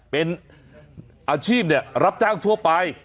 เป็นอาชีพรับจ้างทั่วไป